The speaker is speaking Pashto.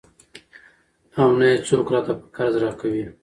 او نه يې څوک راته په قرض راکوي.